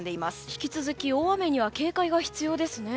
引き続き大雨には警戒が必要ですね。